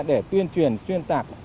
để tuyên truyền xuyên tạc